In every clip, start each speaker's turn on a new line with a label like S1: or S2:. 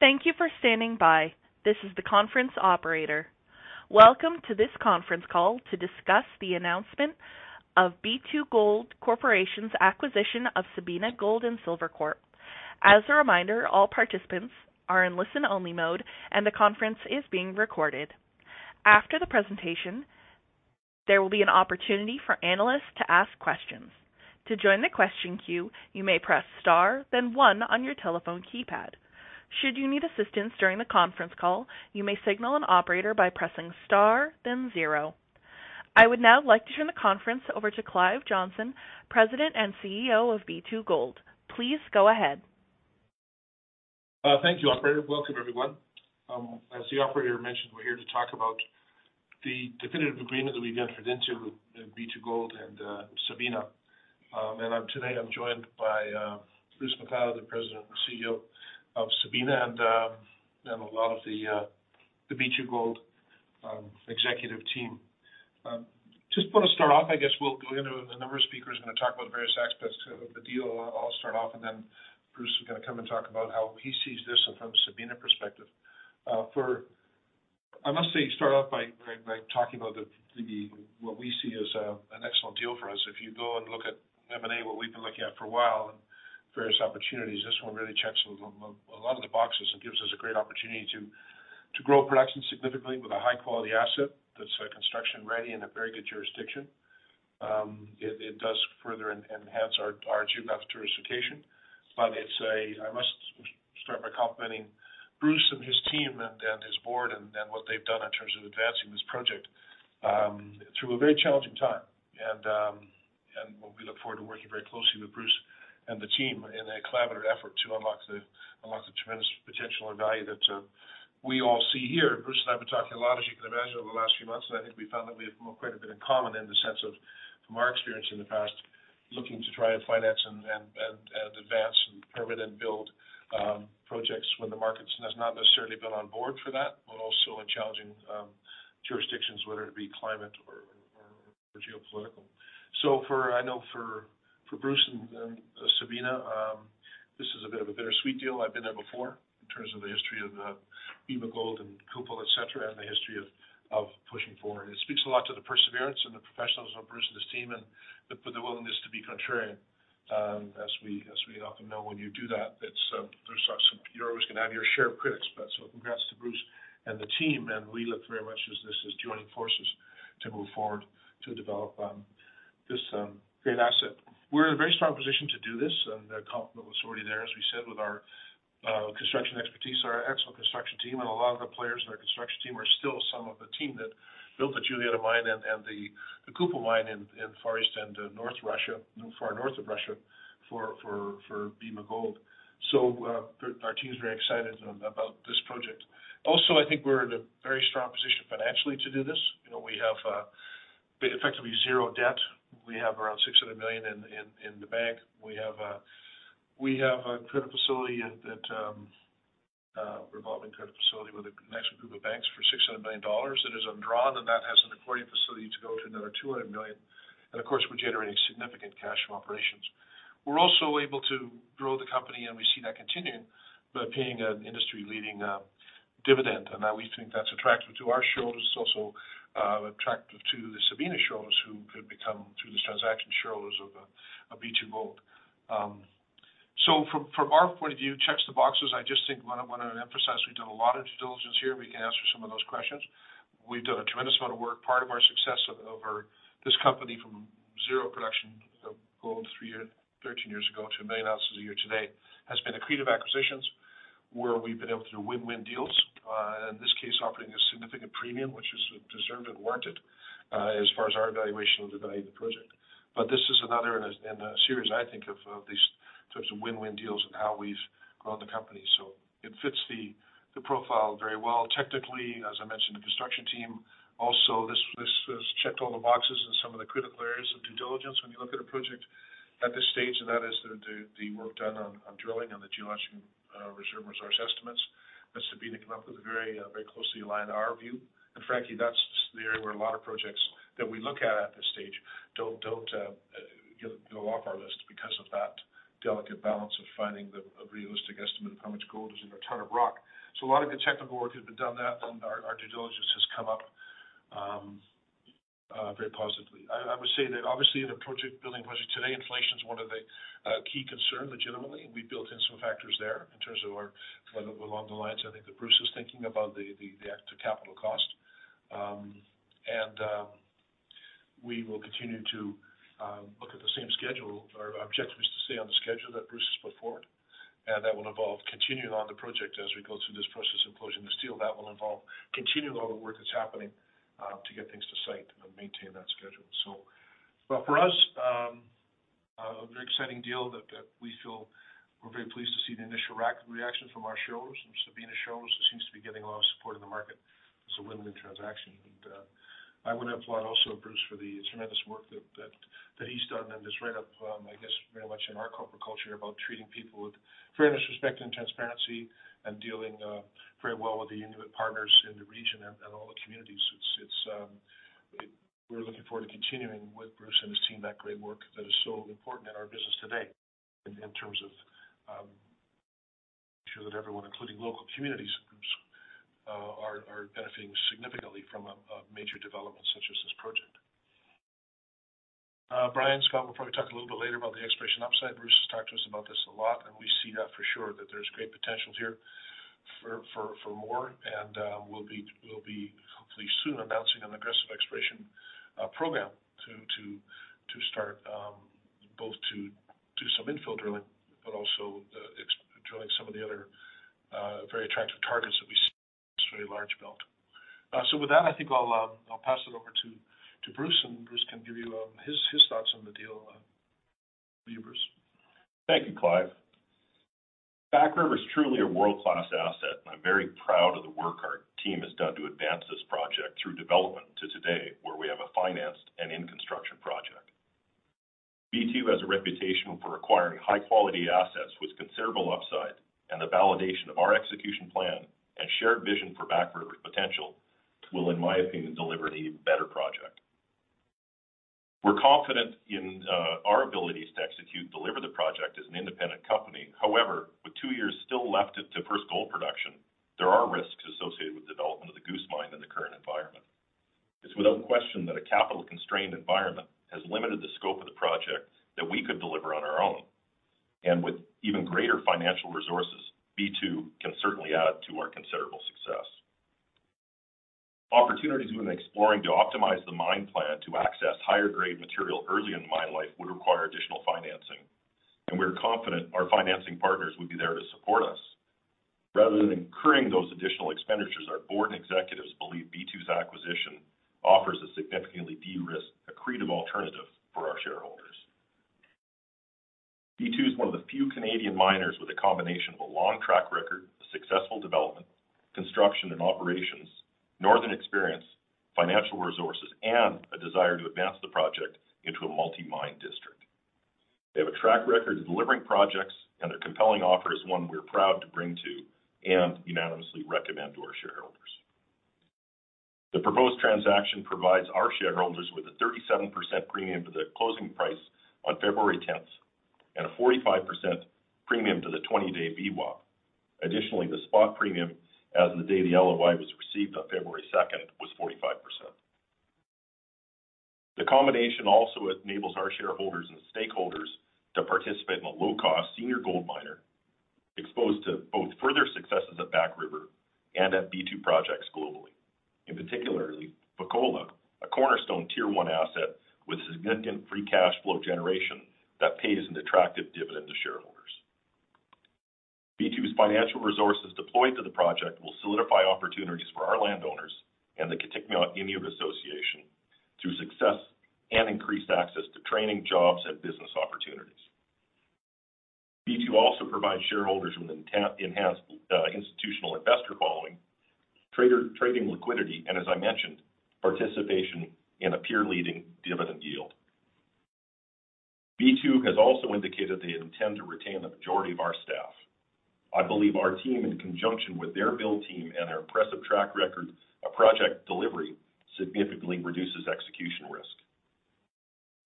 S1: Thank you for standing by. This is the conference operator. Welcome to this conference call to discuss the announcement of B2Gold Corp.'s acquisition of Sabina Gold & Silver Corp. As a reminder, all participants are in listen-only mode, and the conference is being recorded. After the presentation, there will be an opportunity for analysts to ask questions. To join the question queue, you may press star then one on your telephone keypad. Should you need assistance during the conference call, you may signal an operator by pressing star then zero. I would now like to turn the conference over to Clive Johnson, President and CEO of B2Gold. Please go ahead.
S2: Thank you, operator. Welcome, everyone. As the operator mentioned, we're here to talk about the definitive agreement that we've entered into with B2Gold and Sabina. Today I'm joined by Bruce McLeod, the President and CEO of Sabina, and a lot of the B2Gold executive team. Just want to start off, I guess we'll go into a number of speakers, gonna talk about various aspects of the deal. I'll start off, and then Bruce is gonna come and talk about how he sees this and from Sabina perspective. I must say, start off by talking about what we see as an excellent deal for us. If you go and look at M&A, what we've been looking at for a while and various opportunities, this one really checks a lot of the boxes and gives us a great opportunity to grow production significantly with a high-quality asset that's construction ready in a very good jurisdiction. It does further enhance our geographic jurisdiction. I must start by complimenting Bruce and his team and his board and what they've done in terms of advancing this project through a very challenging time. We look forward to working very closely with Bruce and the team in a collaborative effort to unlock the tremendous potential and value that we all see here. Bruce and I have been talking a lot, as you can imagine, over the last few months, and I think we found that we have quite a bit in common in the sense of, from our experience in the past, looking to try and finance and advance and permit and build projects when the market has not necessarily been on board for that, but also in challenging jurisdictions, whether it be climate or geopolitical. I know for Bruce and Sabina, this is a bit of a bittersweet deal. I've been there before in terms of the history of Bema Gold and Kupol, et cetera, and the history of pushing forward. It speaks a lot to the perseverance and the professionalism of Bruce and his team and the willingness to be contrarian. As we often know, when you do that, it's, there's, you're always gonna have your share of critics. Congrats to Bruce and the team, and we look very much as this as joining forces to move forward to develop this great asset. We're in a very strong position to do this, and their compliment was already there, as we said, with our construction expertise, our excellent construction team. A lot of the players in our construction team are still some of the team that built the Julietta mine and the Kupol mine in Far East and North Russia, far north of Russia for Bema Gold. Our team is very excited about this project. Also, I think we're in a very strong position financially to do this. You know, we have effectively zero debt. We have around $600 million in the bank. We have a credit facility that revolving credit facility with a consortium of banks for $600 million that is undrawn, and that has an accordion facility to go to another $200 million. Of course, we're generating significant cash from operations. We're also able to grow the company, and we see that continuing by paying an industry-leading dividend. We think that's attractive to our shareholders. It's also attractive to the Sabina shareholders who could become, through this transaction, shareholders of B2Gold. From our point of view, checks the boxes. I just think I wanna emphasize we've done a lot of due diligence here. We can answer some of those questions. We've done a tremendous amount of work. Part of our success of this company from zero production of gold 13 years ago to 1 million ounces a year today, has been accretive acquisitions, where we've been able to do win-win deals. In this case, offering a significant premium, which is deserved and warranted, as far as our valuation of the value of the project. This is another in a series, I think, of these types of win-win deals and how we've grown the company. It fits the profile very well. Technically, as I mentioned, the construction team. Also, this has checked all the boxes in some of the critical areas of due diligence. When you look at a project at this stage, that is the work done on drilling, on the geological reserve resource estimates, that Sabina came up with a very, very closely aligned to our view. Frankly, that's the area where a lot of projects that we look at at this stage don't go off our list because of that delicate balance of finding a realistic estimate of how much gold is in a ton of rock. A lot of the technical work has been done there, and our due diligence has come up very positively. I would say that obviously in a project, building a project today, inflation is one of the key concern legitimately. We've built in some factors there in terms of our... along the lines I think that Bruce is thinking about the capital cost. We will continue to look at the same schedule. Our objective is to stay on the schedule that Bruce has put forward, and that will involve continuing on the project as we go through this process of closing this deal. That will involve continuing all the work that's happening to get things to site and maintain that schedule. For us, a very exciting deal that we feel we're very pleased to see the initial reaction from our shareholders and Sabina shareholders. It seems to be getting a lot of support in the market. It's a win-win transaction. I wanna applaud also Bruce for the tremendous work that he's done and his write up, I guess, very much in our corporate culture about treating people with fairness, respect, and transparency and dealing very well with the Inuit partners in the region and all the communities. We're looking forward to continuing with Bruce and his team, that great work that is so important in our business today in terms of sure that everyone, including local communities, are benefiting significantly from a major development such as this project. Brian Scott will probably talk a little bit later about the exploration upside. Bruce has talked to us about this a lot, we see that for sure, that there's great potential here for more. We'll be hopefully soon announcing an aggressive exploration program to start, both to do some infill drilling but also drilling some of the other very attractive targets that we see in this very large belt. With that, I think I'll pass it over to Bruce, and Bruce can give you his thoughts on the deal. Over to you, Bruce.
S3: Thank you, Clive. Back River is truly a world-class asset, and I'm very proud of the work our team has done to advance this project through development to today, where we have a financed and in-construction project. B2 has a reputation for acquiring high-quality assets with considerable upside, and the validation of our execution plan and shared vision for Back River's potential will, in my opinion, deliver an even better project. We're confident in our abilities to execute, deliver the project as an independent company. However, with two years still left to first gold production, there are risks associated with development of the Goose Mine in the current environment. It's without question that a capital-constrained environment has limited the scope of the project that we could deliver on our own. With even greater financial resources, B2 can certainly add to our considerable success. Opportunities when exploring to optimize the mine plan to access higher-grade material early in mine life would require additional financing. We're confident our financing partners would be there to support us. Rather than incurring those additional expenditures, our board and executives believe B2's acquisition offers a significantly de-risked, accretive alternative for our shareholders. B2 is one of the few Canadian miners with a combination of a long track record of successful development, construction, and operations, northern experience, financial resources, and a desire to advance the project into a multi-mine district. They have a track record of delivering projects. Their compelling offer is one we're proud to bring to and unanimously recommend to our shareholders. The proposed transaction provides our shareholders with a 37% premium to the closing price on February 10th and a 45% premium to the 20-day VWAP. Additionally, the spot premium as of the day the LOI was received on February second was 45%. The combination also enables our shareholders and stakeholders to participate in a low-cost senior gold miner exposed to both further successes at Back River and at B2 projects globally. In particular, Fekola, a cornerstone tier-one asset with significant free cash flow generation that pays an attractive dividend to shareholders. B2's financial resources deployed to the project will solidify opportunities for our landowners and the Kitikmeot Inuit Association through success and increased access to training, jobs, and business opportunities. B2 also provides shareholders with an enhanced institutional investor following, trader, trading liquidity, and as I mentioned, participation in a peer-leading dividend yield. B2 has also indicated they intend to retain the majority of our staff. I believe our team, in conjunction with their build team and their impressive track record of project delivery, significantly reduces execution risk.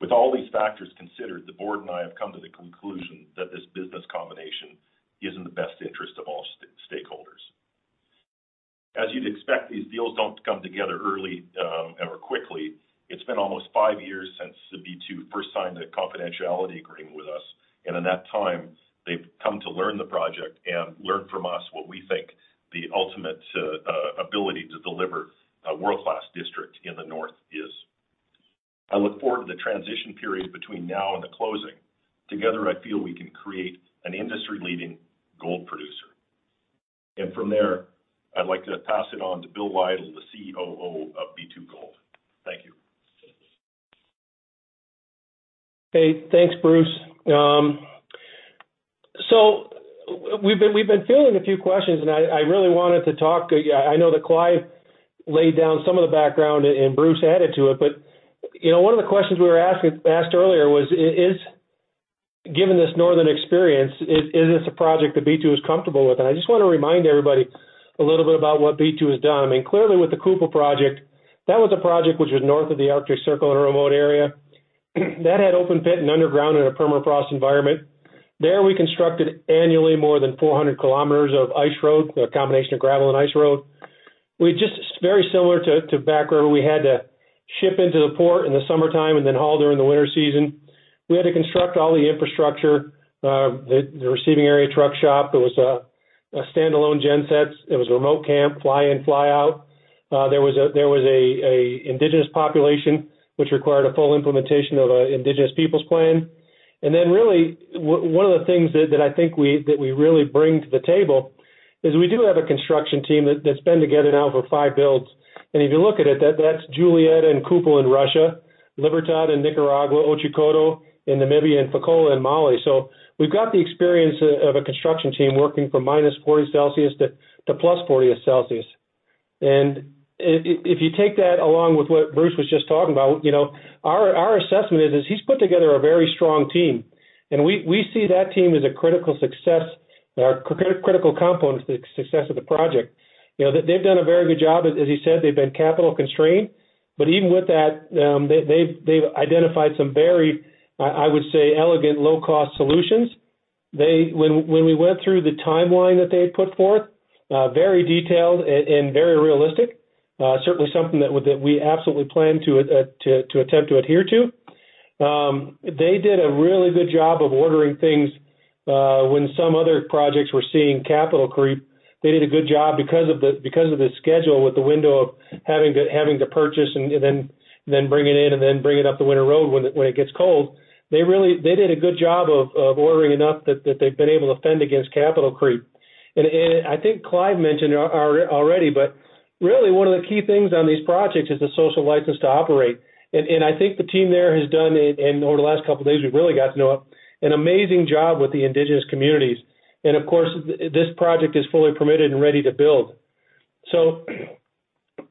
S3: With all these factors considered, the board and I have come to the conclusion that this business combination is in the best interest of all stakeholders. As you'd expect, these deals don't come together early or quickly. It's been almost five years since B2 first signed a confidentiality agreement with us, and in that time, they've come to learn the project and learn from us what we think the ultimate ability to deliver a world-class district in the North is. I look forward to the transition period between now and the closing. Together, I feel we can create an industry-leading gold producer. From there, I'd like to pass it on to Bill Lytle, the COO of B2Gold. Thank you.
S4: Hey, thanks, Bruce. So we've been fielding a few questions, and I really wanted to talk. I know that Clive laid down some of the background, and Bruce added to it, but, you know, one of the questions we asked earlier was, is given this northern experience, is this a project that B2 is comfortable with? I just want to remind everybody a little bit about what B2 has done. I mean, clearly with the Kupol project, that was a project which was north of the Arctic Circle in a remote area that had open pit and underground in a permafrost environment. There we constructed annually more than 400 kilometers of ice road, a combination of gravel and ice road. Very similar to Back River, we had to ship into the port in the summertime and then haul during the winter season. We had to construct all the infrastructure, the receiving area truck shop. There was a standalone gensets. It was a remote camp, fly in, fly out. There was a indigenous population, which required a full implementation of Indigenous Peoples Plan. Really one of the things that I think we really bring to the table is we do have a construction team that's been together now for five builds. If you look at it, that's Julietta and Kupol in Russia, Libertad in Nicaragua, Ojikoto in Namibia, and Fekola in Mali. We've got the experience of a construction team working from minus 40 degrees Celsius to plus 40 degrees Celsius. If you take that along with what Bruce McLeod was just talking about, you know, our assessment is he's put together a very strong team. We see that team as a critical component to the success of the project. You know, they've done a very good job. As you said, they've been capital constrained. But even with that, they've identified some very, I would say, elegant low-cost solutions. When we went through the timeline that they had put forth, very detailed and very realistic. Certainly something that we absolutely plan to attempt to adhere to. They did a really good job of ordering things when some other projects were seeing capital creep. They did a good job because of the schedule with the window of having to purchase and then bring it in, and then bring it up the winter road when it gets cold. They did a good job of ordering enough that they've been able to fend against capital creep. I think Clive mentioned already, but really one of the key things on these projects is the social license to operate. I think the team there has done, and over the last couple of days, we've really got to know, an amazing job with the indigenous communities. Of course, this project is fully permitted and ready to build.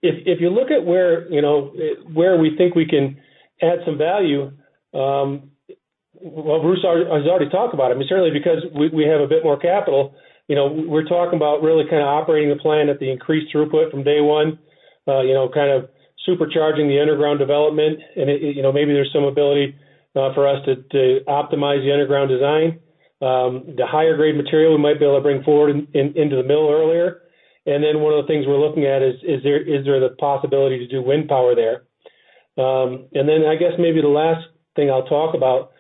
S4: If you look at where, you know, where we think we can add some value, well, Bruce has already talked about it. Certainly because we have a bit more capital, you know, we're talking about really kind of operating the plant at the increased throughput from day one, you know, kind of supercharging the underground development. It, you know, maybe there's some ability for us to optimize the underground design. The higher grade material we might be able to bring forward into the mill earlier. One of the things we're looking at is there the possibility to do wind power there. Then I guess maybe the last thing I'll talk about,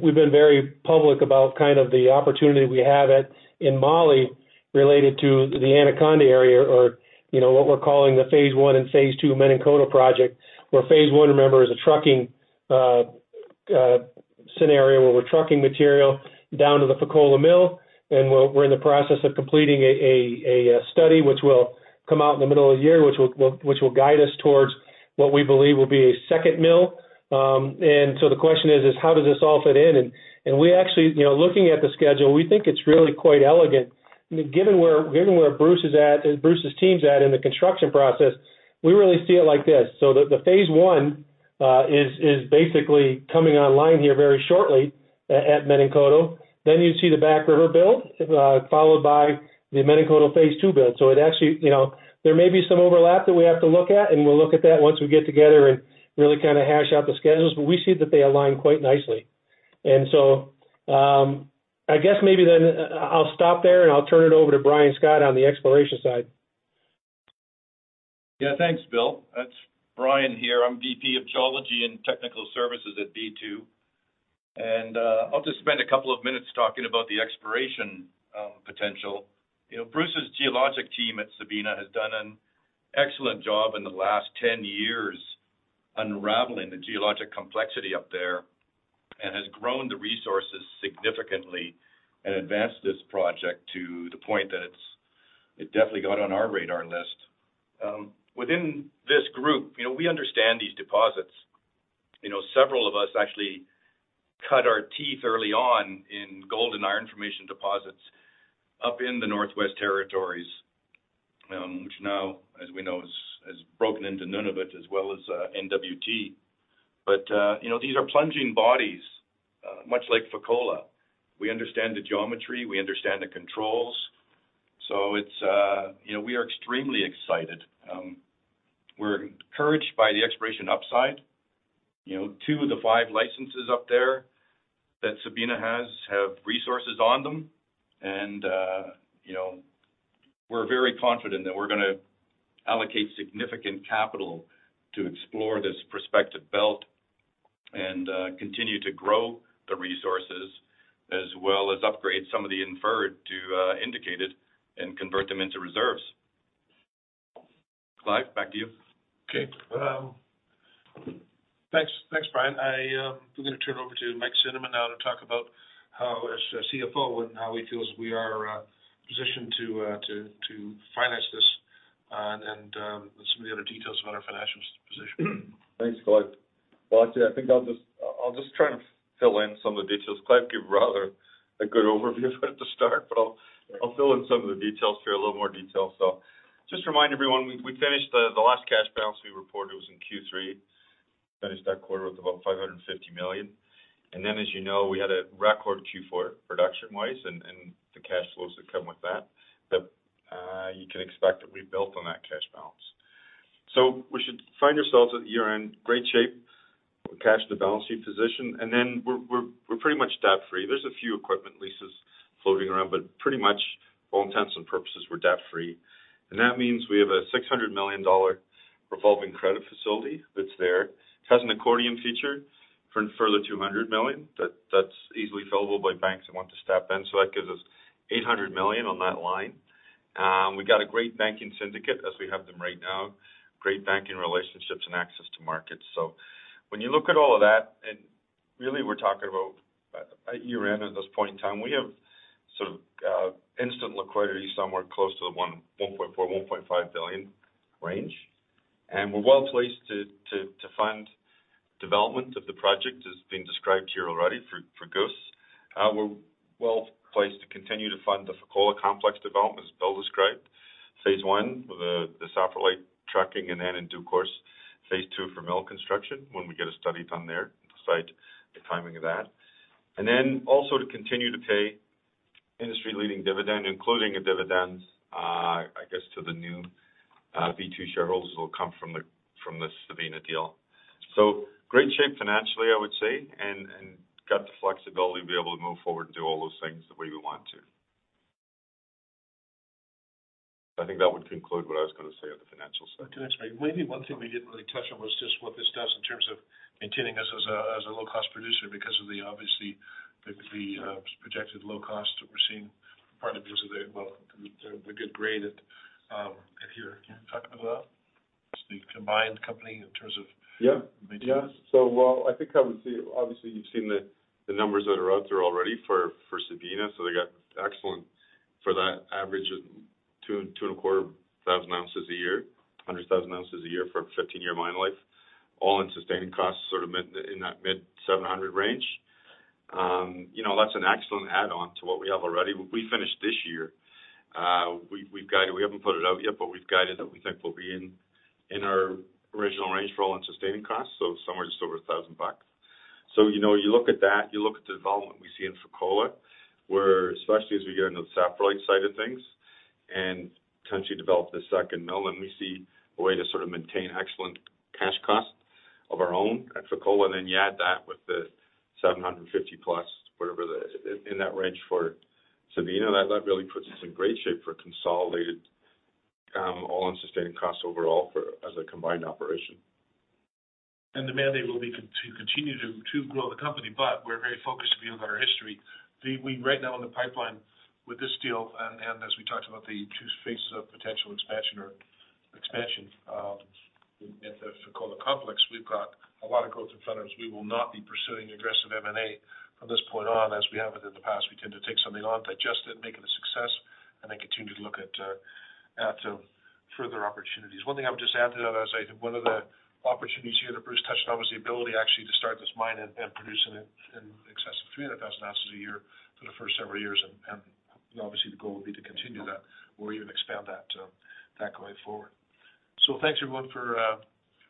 S4: we've been very public about kind of the opportunity we have at, in Mali related to the Anaconda area or, what we're calling the phase I and phase II Menankoto project, where phase I, remember, is a trucking scenario where we're trucking material down to the Fekola mill. We're in the process of completing a study which will come out in the middle of the year, which will guide us towards what we believe will be a second mill. The question is how does this all fit in? We actually, looking at the schedule, we think it's really quite elegant. Given where Bruce is at, Bruce's team is at in the construction process, we really see it like this. The phase I is basically coming online here very shortly at Menankoto. You see the Back River build, followed by the Menankoto phase II build. It actually, you know, there may be some overlap that we have to look at, and we'll look at that once we get together and really kind of hash out the schedules, but we see that they align quite nicely. I guess maybe I'll stop there, and I'll turn it over to Brian Scott on the exploration side.
S5: Thanks, Bill. It's Brian here. I'm VP of Geology and Technical Services at B2. I'll just spend a couple of minutes talking about the exploration potential. You know, Bruce's geologic team at Sabina has done an excellent job in the last 10 years unraveling the geologic complexity up there and has grown the resources significantly and advanced this project to the point that it's, it definitely got on our radar list. Within this group, you know, we understand these deposits. You know, several of us actually cut our teeth early on in gold and iron formation deposits up in the Northwest Territories, which now, as we know, has broken into Nunavut as well as NWT. You know, these are plunging bodies, much like Fekola. We understand the geometry, we understand the controls. It's, you know, we are extremely excited. We're encouraged by the exploration upside. You know, two of the five licenses up there that Sabina has have resources on them. You know, we're very confident that we're gonna allocate significant capital to explore this prospective belt and continue to grow the resources, as well as upgrade some of the inferred to indicated and convert them into reserves. Clive, back to you.
S2: Okay. Thanks. Thanks, Brian. I, we're gonna turn over to Mike Cinnamond now to talk about how, as CFO, and how he feels we are positioned to finance this and some of the other details about our financial position.
S6: Thanks, Clive. Well, actually, I think I'll just try and fill in some of the details. Clive gave rather a good overview at the start, but I'll fill in some of the details here, a little more detail. Just remind everyone, we finished the last cash balance we reported was in Q3. Finished that quarter with about $550 million. As you know, we had a record Q4 production-wise and the cash flows that come with that, you can expect that we built on that cash balance. We should find ourselves at year-end, great shape with cash in a balancing position. We're pretty much debt-free. There's a few equipment leases floating around, but pretty much all intents and purposes, we're debt-free. That means we have a $600 million revolving credit facility that's there. It has an accordion feature for a further $200 million, that's easily fillable by banks that want to step in. That gives us $800 million on that line. We've got a great banking syndicate as we have them right now, great banking relationships and access to markets. When you look at all of that, and really we're talking about at year-end at this point in time, we have sort of instant liquidity somewhere close to the $1.4 billion-$1.5 billion range. We're well-placed to fund development of the project as being described here already for Goose. We're well-placed to continue to fund the Fekola complex development, as Bill described. Phase I with the saprolite trucking and then in due course, phase II for mill construction when we get a study done there to decide the timing of that. Also to continue to pay industry-leading dividend, including a dividend, I guess, to the new B2 shareholders will come from the Sabina deal. Great shape financially, I would say, and got the flexibility to be able to move forward and do all those things the way we want to. I think that would conclude what I was gonna say on the financial side.
S2: To that rate, maybe one thing we didn't really touch on was just what this does in terms of maintaining us as a, as a low-cost producer because of the, obviously, the projected low cost that we're seeing partly because of the... Well, we get graded, if you're talking about the combined company in terms of.
S6: Yeah.
S2: maintaining this.
S6: Well, I think I would say, obviously, you've seen the numbers that are out there already for Sabina, they got excellent for that average of two and a quarter thousand ounces a year, 100,000 ounces a year for a 15-year mine life, all-in sustaining costs sort of in that mid $700 range. You know, that's an excellent add on to what we have already. We finished this year, we've guided, we haven't put it out yet, but we've guided that we think we'll be in our original range for all-in sustaining costs, somewhere just over $1,000. You know, you look at that, you look at the development we see in Fekola, where especially as we get into the saprolite side of things and potentially develop the second mill, and we see a way to sort of maintain excellent cash cost of our own at Fekola, and then you add that with the $750 plus, whatever the, in that range for Sabina, that really puts us in great shape for consolidated all-in sustaining costs overall for as a combined operation.
S2: The mandate will be to continue to grow the company, but we're very focused, if you look at our history. We right now in the pipeline with this deal and as we talked about the two phases of potential expansion or expansion at the Fekola complex, we've got a lot of growth in front of us. We will not be pursuing aggressive M&A from this point on as we have it in the past. We tend to take something on, digest it, make it a success, and then continue to look at further opportunities. One thing I would just add to that, as I. One of the opportunities here that Bruce touched on was the ability actually to start this mine and produce in excess of 300,000 ounces a year for the first several years. Obviously the goal would be to continue that or even expand that going forward. Thanks everyone for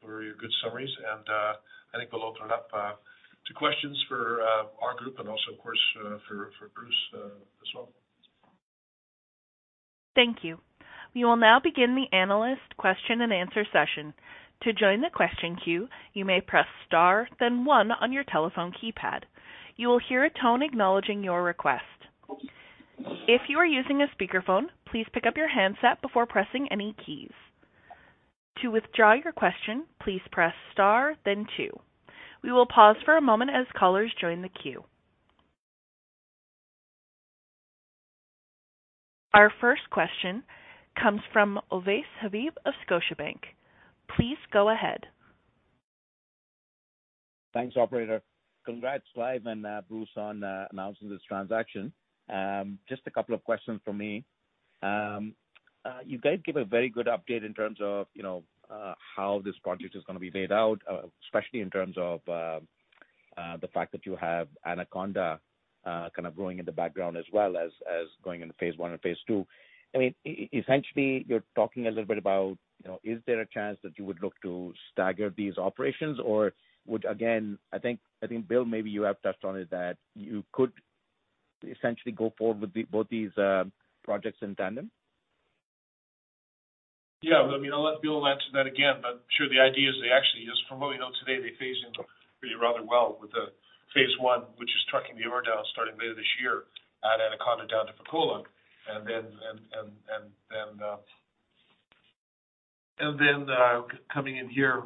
S2: your good summaries. I think we'll open it up to questions for our group and also of course, for Bruce, as well.
S1: Thank you. We will now begin the analyst question and answer session. To join the question queue, you may press star then one on your telephone keypad. You will hear a tone acknowledging your request. If you are using a speakerphone, please pick up your handset before pressing any keys. To withdraw your question, please press star then two. We will pause for a moment as callers join the queue. Our first question comes from Owais Habib of Scotiabank. Please go ahead.
S7: Thanks, operator. Congrats, Clive and Bruce, on announcing this transaction. Just a couple of questions from me. You guys give a very good update in terms of, you know, how this project is going to be laid out, especially in terms of the fact that you have Anaconda, kind of growing in the background as well as going into phase I and phase II. I mean, essentially, you're talking a little bit about, you know, is there a chance that you would look to stagger these operations? Would, again, I think, Bill, maybe you have touched on it, that you could essentially go forward with both these projects in tandem.
S2: Yeah. I mean, I'll let Bill answer that again, but sure the idea is they actually, just from what we know today, they phase in pretty rather well with the phase I, which is trucking the ore down starting later this year at Anaconda down to Fekola. And then, coming in here,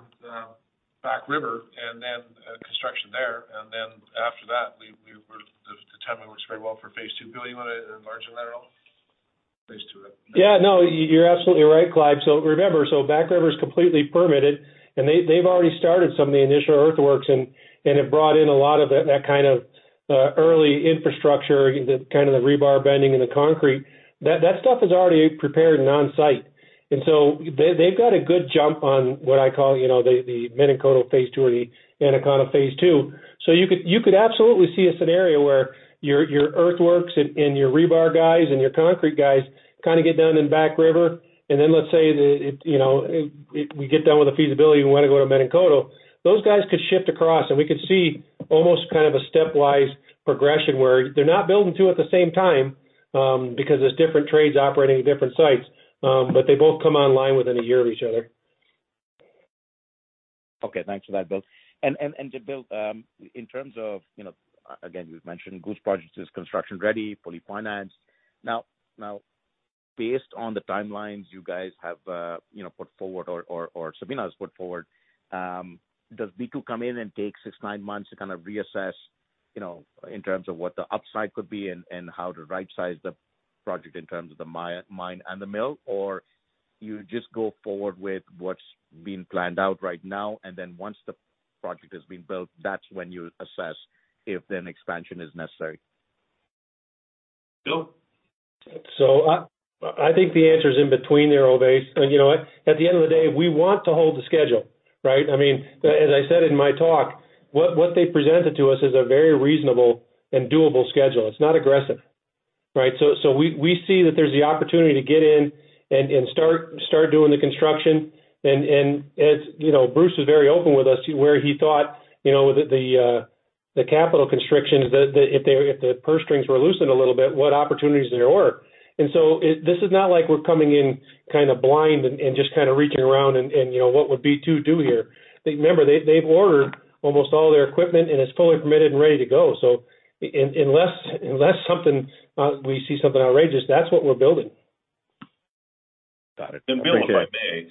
S2: Back River and then, construction there. After that, we're. The timing works very well for phase II. Bill, you wanna enlarge on that at all, phase II?
S4: Yeah, no. You're absolutely right, Clive. Remember, Back River is completely permitted, and they've already started some of the initial earthworks and have brought in a lot of that kind of early infrastructure, the kinda the rebar bending and the concrete. That stuff is already prepared and on site. They've got a good jump on what I call, you know, the Menankoto phase II or the Anaconda phase II. You could absolutely see a scenario where your earthworks and your rebar guys and your concrete guys kinda get done in Back River. Let's say that it, you know, it. We get done with the feasibility and we wanna go to Menankoto, those guys could shift across, and we could see almost kind of a stepwise progression where they're not building two at the same time, because there's different trades operating at different sites, but they both come online within a year of each other.
S7: Okay. Thanks for that, Bill. Bill, in terms of, you know, again, you've mentioned Goose Project is construction ready, fully financed. Based on the timelines you guys have, you know, put forward or Sabina has put forward, does B2 come in and take six, nine months to kind of reassess, you know, in terms of what the upside could be and how to right-size the project in terms of the mine and the mill? You just go forward with what's been planned out right now, and then once the project has been built, that's when you assess if then expansion is necessary? Bill?
S4: I think the answer is in between there, Ovais. You know, at the end of the day, we want to hold the schedule, right? I mean, as I said in my talk, what they presented to us is a very reasonable and doable schedule. It's not aggressive, right? We see that there's the opportunity to get in and start doing the construction. As, you know, Bruce was very open with us, where he thought, you know, with the capital construction that if they, if the purse strings were loosened a little bit, what opportunities there were. This is not like we're coming in kind of blind and just kind of reaching around and, you know, what would B2 do here? Remember, they've ordered almost all their equipment and it's fully permitted and ready to go. Unless something we see something outrageous, that's what we're building.
S7: Got it. Thank you.
S3: Bill, if I may,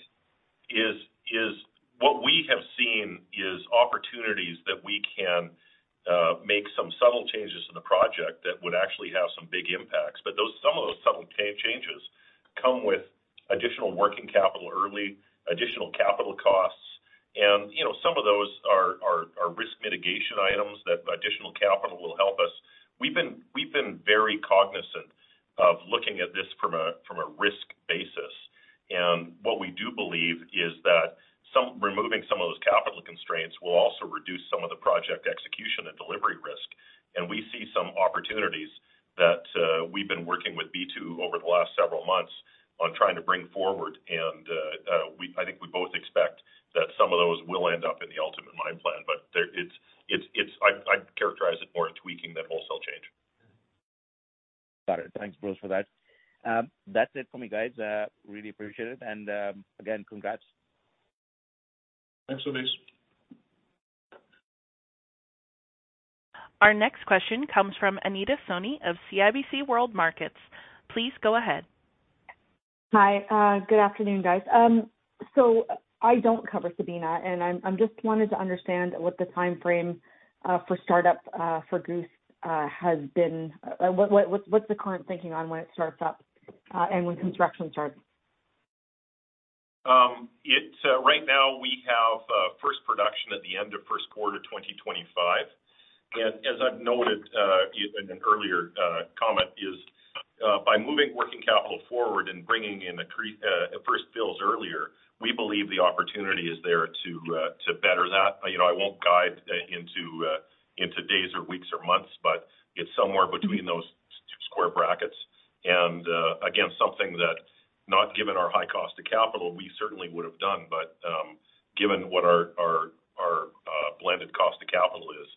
S3: is what we have seen is opportunities that we can make some subtle changes in the project that would actually have some big impacts. Some of those subtle changes come with additional working capital early, additional capital costs. You know, some of those are risk mitigation items that additional capital will help us. We've been very cognizant of looking at this from a risk basis. What we do believe is that removing some of those capital constraints will also reduce some of the project execution and delivery risk. We see some opportunities that we've been working with B2 over the last several months on trying to bring forward. I think we both expect that some of those will end up in the ultimate mine plan. It's I'd characterize it more a tweaking than wholesale change.
S7: Got it. Thanks, Bruce, for that. That's it for me, guys. really appreciate it. Again, congrats.
S4: Thanks, Ovais.
S1: Our next question comes from Anita Soni of CIBC World Markets. Please go ahead.
S8: Hi. Good afternoon, guys. I don't cover Sabina, and I'm just wanting to understand what the timeframe for startup for Goose has been. What's the current thinking on when it starts up and when construction starts?
S3: It's right now we have first production at the end of Q1, 2025. As I've noted in an earlier comment, is by moving working capital forward and bringing in the first bills earlier, we believe the opportunity is there to better that. You know, I won't guide into days or weeks or months, but it's somewhere between those two square brackets. Again, something that not given our high cost of capital, we certainly would have done. Given what our blended cost of capital is,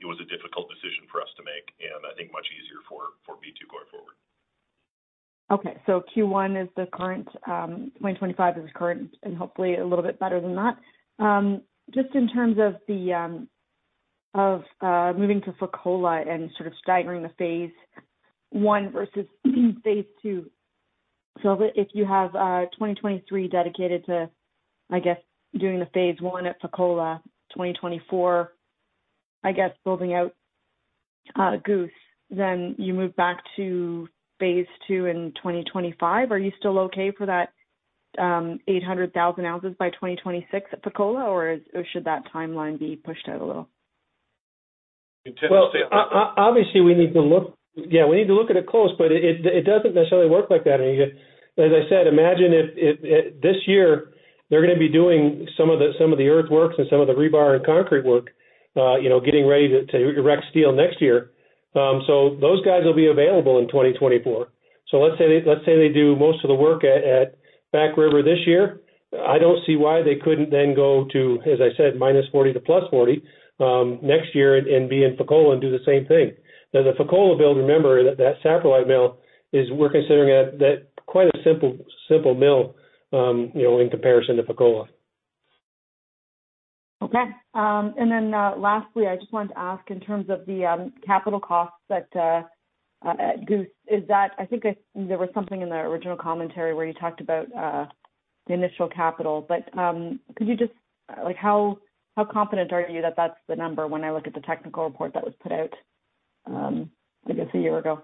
S3: it was a difficult decision for us to make, and I think much easier for B2 going forward.
S8: Okay. Q1 is the current, 2025 is current and hopefully a little bit better than that. Just in terms of the of moving to Fekola and sort of staggering the phase I versus phase II. If you have 2023 dedicated to, I guess, doing the phase I at Fekola, 2024, I guess, building out Goose, then you move back to phase II in 2025. Are you still okay for that 800,000 ounces by 2026 at Fekola? Should that timeline be pushed out a little?
S3: Intend to stay.
S4: Well, obviously, we need to look, yeah, we need to look at it close, but it doesn't necessarily work like that, Anita. As I said, imagine if this year they're gonna be doing some of the earthworks and some of the rebar and concrete work, you know, getting ready to erect steel next year. Those guys will be available in 2024. Let's say they do most of the work at Back River this year. I don't see why they couldn't then go to, as I said, -40 to +40 next year and be in Fekola and do the same thing. The Fekola mill, remember that that satellite mill is we're considering that quite a simple mill, you know, in comparison to Fekola.
S8: Okay. Lastly, I just wanted to ask in terms of the capital costs at Goose. Is that, I think there was something in the original commentary where you talked about the initial capital. Like, how confident are you that that's the number when I look at the technical report that was put out, I guess a year ago?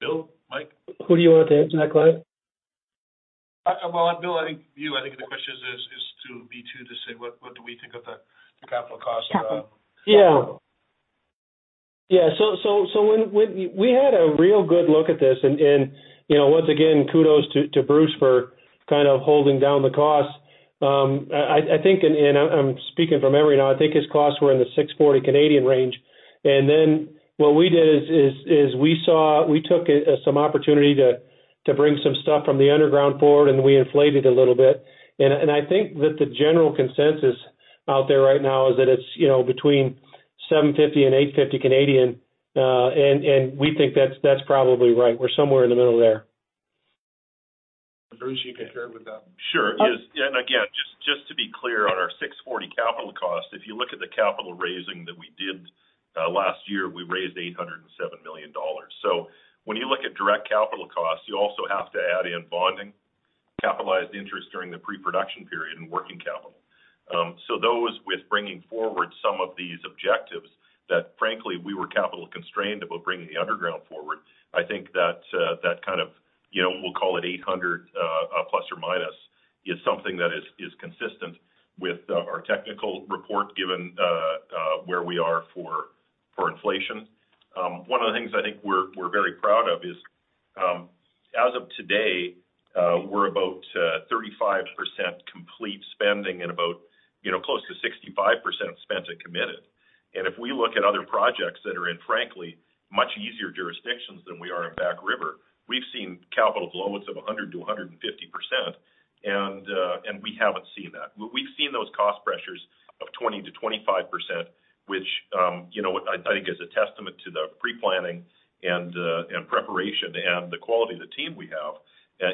S3: Bill? Mike?
S4: Who do you want to answer that? Go ahead.
S3: Well, Bill, I think you. I think the question is to B2 to say, what do we think of the capital cost of...
S4: Yeah. Yeah. When we had a real good look at this and, you know, once again, kudos to Bruce for kind of holding down the cost. I think, and I'm speaking from memory now. I think his costs were in the 640 range. Then what we did is we took some opportunity to bring some stuff from the underground forward, and we inflated a little bit. I think that the general consensus out there right now is that it's, you know, between 750 and 850. We think that's probably right. We're somewhere in the middle there.
S3: Bruce, you can share with them. Sure. Again, just to be clear on our $640 capital cost. If you look at the capital raising that we did last year, we raised $807 million. When you look at direct capital costs, you also have to add in bonding, capitalized interest during the pre-production period and working capital. Those with bringing forward some of these objectives that frankly, we were capital constrained about bringing the underground forward. I think that kind of, you know, we'll call it $800 plus or minus is something that is consistent with our technical report given where we are for inflation. One of the things I think we're very proud of is, as of today, we're about 35% complete spending and about, you know, close to 65% spent and committed. If we look at other projects that are in, frankly, much easier jurisdictions than we are in Back River, we've seen capital below with some 100%-150%. We haven't seen that. We've seen those cost pressures of 20%-25%, which, you know, I think is a testament to the pre-planning and preparation and the quality of the team we have.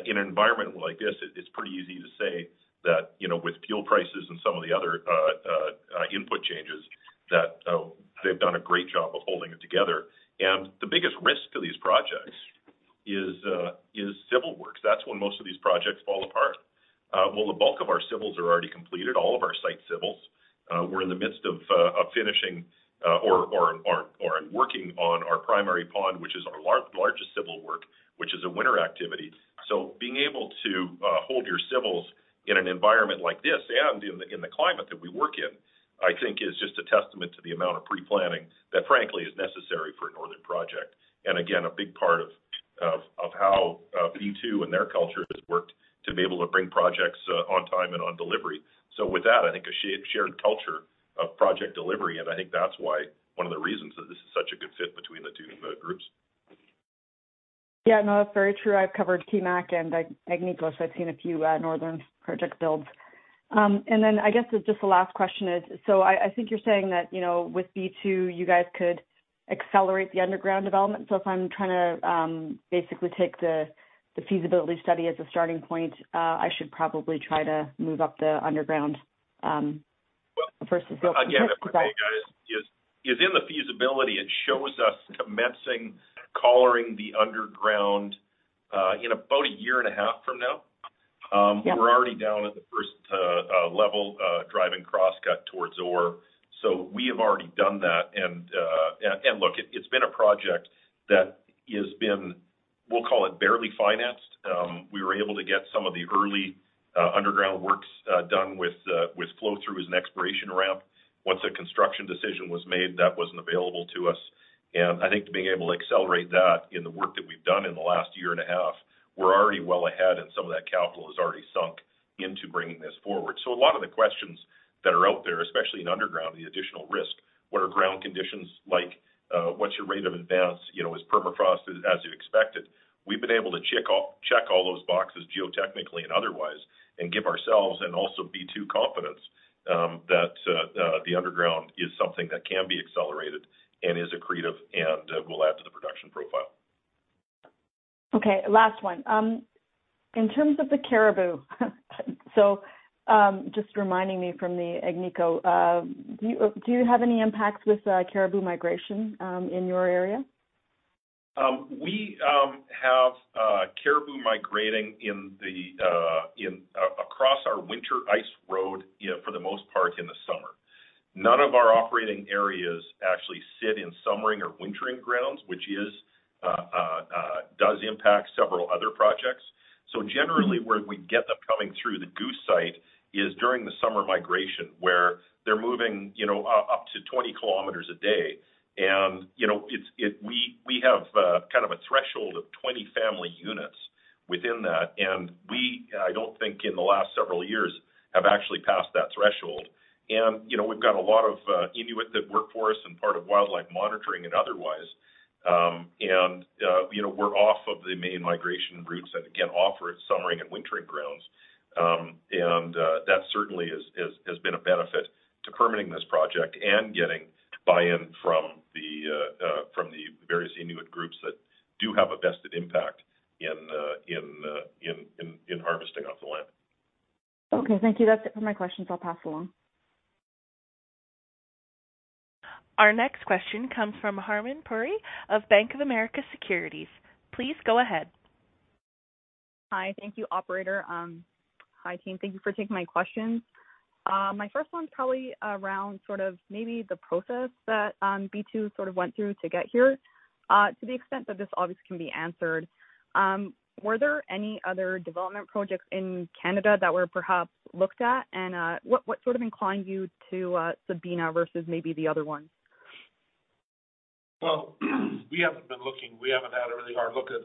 S3: In an environment like this, it's pretty easy to say that, you know, with fuel prices and some of the other input changes that they've done a great job of holding it together. The biggest risk to these projects is civil works. That's when most of these projects fall apart. Well, the bulk of our civils are already completed, all of our site civils. We're in the midst of finishing or working on our primary pond, which is our largest civil work, which is a winter activity. Being able to hold your civils in an environment like this and in the climate that we work in, I think is just a testament to the amount of pre-planning that frankly is necessary for a northern project. Again, a big part of how B2 and their culture has worked to be able to bring projects on time and on delivery. With that, I think a shared culture of project delivery, and I think that's why one of the reasons that this is such a good fit between the two, groups.
S8: Yeah, no, that's very true. I've covered TMAC and Agnico, so I've seen a few northern project builds. Then I guess just the last question is, I think you're saying that, you know, with B2, you guys could accelerate the underground development. If I'm trying to basically take the feasibility study as a starting point, I should probably try to move up the underground first-
S3: Yeah, the way, guys, is in the feasibility, it shows us commencing collaring the underground, in about a year and a half from now.
S8: Yeah.
S3: We're already down at the first level, driving crosscut towards ore. We have already done that. Look, it's been a project that has been, we'll call it barely financed. We were able to get some of the early underground works done with flow-through as an exploration ramp. Once a construction decision was made, that wasn't available to us. I think being able to accelerate that in the work that we've done in the last year and a half, we're already well ahead and some of that capital is already sunk into bringing this forward. A lot of the questions that are out there, especially in underground, the additional risk, what are ground conditions like? What's your rate of advance? You know, is permafrost as you expected? We've been able to check all those boxes geotechnically and otherwise and give ourselves and also B2 confidence, that the underground is something that can be accelerated and is accretive and will add to the production profile.
S8: Last one. In terms of the caribou, just reminding me from the Agnico. Do you have any impacts with caribou migration in your area?
S3: We have caribou migrating across our winter ice road, you know, for the most part in the summer. None of our operating areas actually sit in summering or wintering grounds, which does impact several other projects. Generally where we get them coming through the Goose Site is during the summer migration, where they're moving, you know, up to 20 kilometers a day. You know, We have kind of a threshold of 20 family units within that. We, I don't think in the last several years have actually passed that threshold. You know, we've got a lot of Inuit that work for us and part of wildlife monitoring and otherwise. You know, we're off of the main migration routes that again offer summering and wintering grounds. That certainly has been a benefit to permitting this project and getting buy-in from the various Inuit groups that do have a vested impact in harvesting off the land.
S8: Okay, thank you. That's it for my questions. I'll pass along.
S1: Our next question comes from Harmen Puri of Bank of America Securities. Please go ahead.
S9: Hi. Thank you, operator. Hi, team. Thank you for taking my questions. My first one's probably around sort of maybe the process that B2 sort of went through to get here. To the extent that this obviously can be answered. Were there any other development projects in Canada that were perhaps looked at? What sort of inclined you to Sabina versus maybe the other ones?
S3: We haven't been looking. We haven't had a really hard look at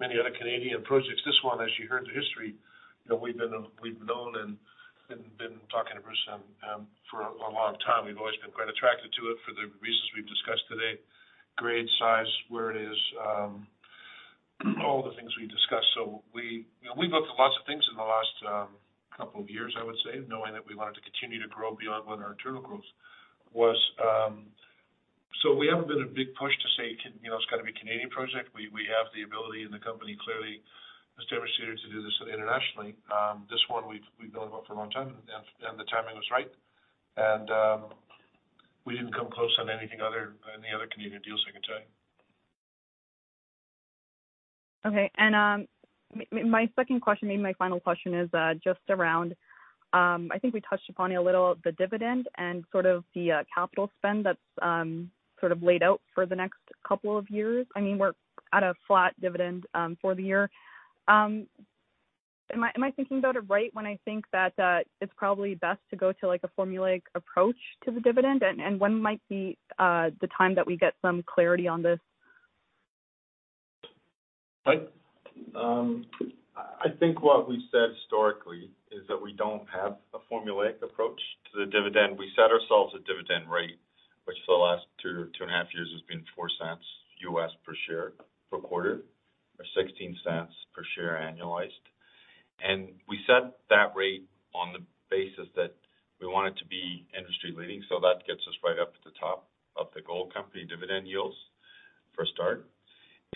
S3: many other Canadian projects. This one, as you heard the history, you know, we've known and been talking to Bruce for a long time. We've always been quite attracted to it for the reasons we've discussed today, grade, size, where it is, all the things we discussed. We, you know, we've looked at lots of things in the last couple of years, I would say, knowing that we wanted to continue to grow beyond what our internal growth was. We haven't been a big push to say, you know, it's got to be Canadian project. We have the ability and the company clearly has demonstrated to do this internationally. This one we've known about for a long time and the timing was right. We didn't come close on anything other, any other Canadian deals, I can tell you.
S9: Okay. My second question, maybe my final question is just around. I think we touched upon a little of the dividend and sort of the capital spend that's sort of laid out for the next couple of years. I mean, we're at a flat dividend for the year. Am I thinking about it right when I think that it's probably best to go to, like, a formulaic approach to the dividend? When might be the time that we get some clarity on this?
S3: Right. I think what we've said historically is that we don't have a formulaic approach to the dividend. We set ourselves a dividend rate, which for the last two, two and a half years has been 4 cents US per share per quarter or 16 cents per share annualized. We set that rate on the basis that we want it to be industry-leading, so that gets us right up at the top of the gold company dividend yields for a start.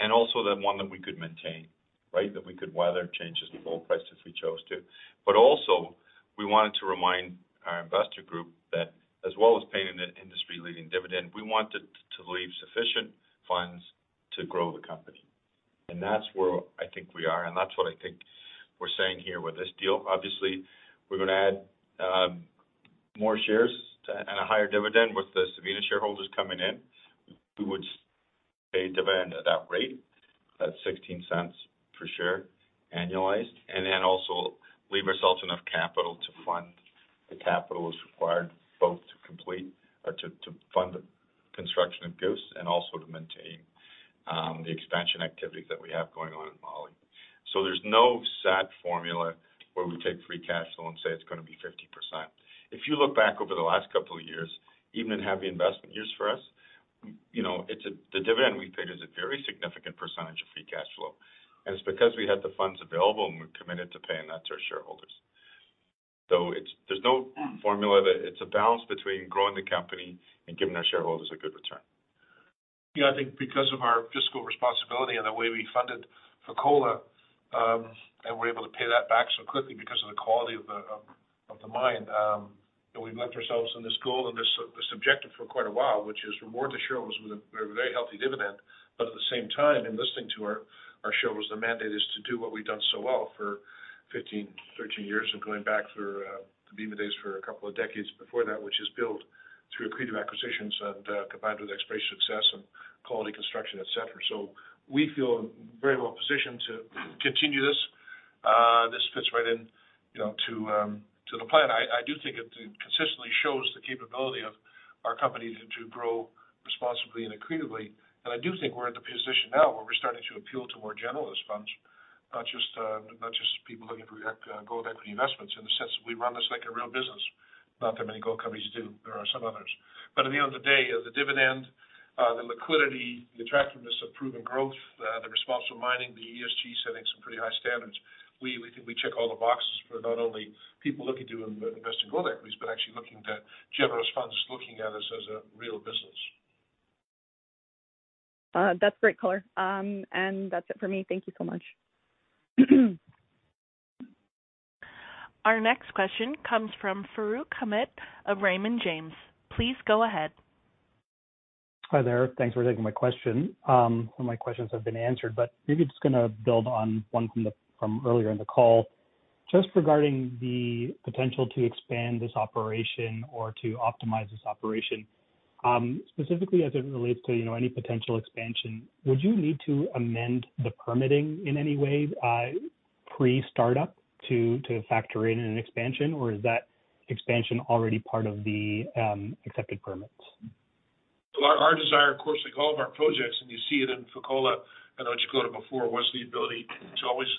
S3: Also the one that we could maintain, right? That we could weather changes in gold price if we chose to. Also we wanted to remind our investor group that as well as paying an industry-leading dividend, we wanted to leave sufficient funds to grow the company. That's where I think we are, and that's what I think we're saying here with this deal. Obviously, we're gonna add more shares and a higher dividend with the Sabina shareholders coming in. We would pay dividend at that rate, that $0.16 per share annualized. Also leave ourselves enough capital to fund the capitals required both to complete to fund the construction of Goose and also to maintain the expansion activities that we have going on in Mali. There's no set formula where we take free cash flow and say it's gonna be 50%. If you look back over the last couple of years, even in heavy investment years for us, you know, the dividend we've paid is a very significant percentage of free cash flow. It's because we had the funds available, and we're committed to paying that to our shareholders. There's no formula that it's a balance between growing the company and giving our shareholders a good return.
S2: Yeah. I think because of our fiscal responsibility and the way we funded Fekola, and we're able to pay that back so quickly because of the quality of the mine, and we've left ourselves in this goal and this objective for quite a while, which is reward the shareholders with a, with a very healthy dividend. At the same time, in listening to our shareholders, the mandate is to do what we've done so well for 15, 13 years and going back through the Bema days for a couple of decades before that, which is build through accretive acquisitions and combined with exploration success and quality construction, et cetera. We feel very well positioned to continue this. This fits right in, you know, to the plan. I do think it consistently shows the capability of our company to grow responsibly and accretively. I do think we're in the position now where we're starting to appeal to more generalist funds, not just people looking for gold equity investments in the sense that we run this like a real business. Not that many gold companies do. There are some others. At the end of the day, the dividend, the liquidity, the attractiveness of proven growth, the responsible mining, the ESG setting some pretty high standards. We think we check all the boxes for not only people looking to invest in gold equities, but actually looking to generalist funds, looking at us as a real business.
S9: That's great color. That's it for me. Thank you so much.
S1: Our next question comes from Farooq Hamed of Raymond James. Please go ahead.
S10: Hi there. Thanks for taking my question. Some of my questions have been answered, but maybe just gonna build on one from earlier in the call. Just regarding the potential to expand this operation or to optimize this operation, specifically as it relates to, you know, any potential expansion, would you need to amend the permitting in any way pre-startup to factor in an expansion? Is that expansion already part of the accepted permits?
S2: Well, our desire, of course, like all of our projects, and you see it in Fekola and Ochoa before, was the ability to always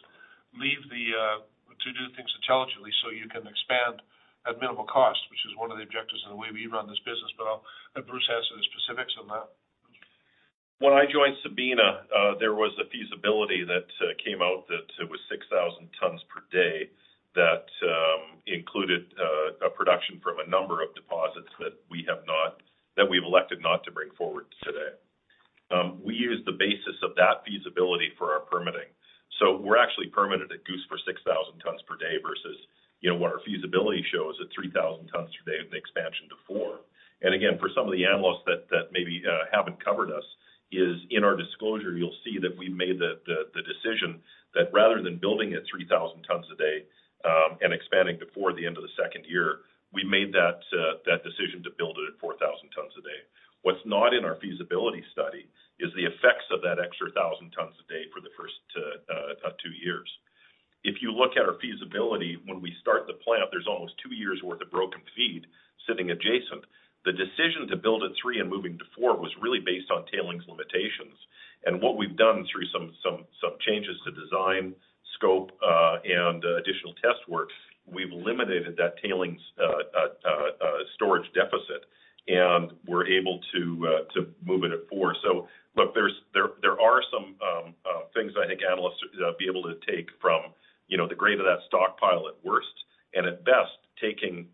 S2: leave the to do things intelligently so you can expand at minimal cost, which is one of the objectives in the way we run this business. I'll let Bruce answer the specifics on that.
S3: When I joined Sabina, there was a feasibility that came out that it was 6,000 tons per day that included a production from a number of deposits that we've elected not to bring forward today. We use the basis of that feasibility for our permitting. We're actually permitted at Goose for 6,000 tons per day versus, you know, what our feasibility shows at 3,000 tons per day with an expansion to four. Again, for some of the analysts that maybe haven't covered us, is in our disclosure, you'll see that we made the decision that rather than building at 3,000 tons a day, and expanding to four at the end of the second year, we made that decision to build it at 4,000 tons a day. What's not in our feasibility study is the effects of that extra 1,000 tons a day for the first two years. If you look at our feasibility, when we start the plant, there's almost two years worth of broken feed sitting adjacent. The decision to build at three and moving to four was really based on tailings limitations. What we've done through some changes to design, scope, and additional test work, we've limited that tailings storage deficit, and we're able to move it at four. Look, there are some things I think analysts be able to take from, you know, the grade of that stockpile at worst, and at best, taking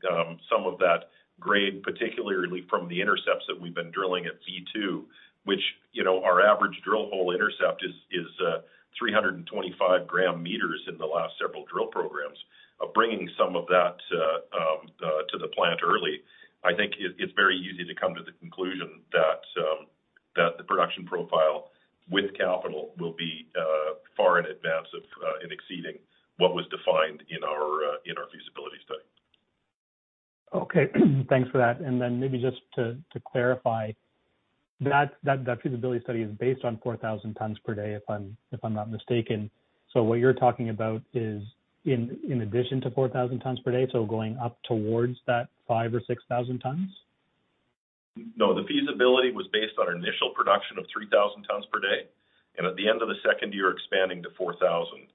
S3: some of that grade, particularly from the intercepts that we've been drilling at V2, which, you know, our average drill hole intercept is 325 gram metres in the last several drill programs. Bringing some of that to the plant early, I think it's very easy to come to the conclusion that the production profile with capital will be far in advance of and exceeding what was defined in our feasibility study.
S10: Okay. Thanks for that. Maybe just to clarify, that feasibility study is based on 4,000 tons per day, if I'm not mistaken. What you're talking about is in addition to 4,000 tons per day, going up towards that 5,000 or 6,000 tons?
S3: No, the feasibility was based on our initial production of 3,000 tons per day, and at the end of the second year, expanding to 4,000.